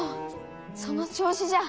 その調子じゃ。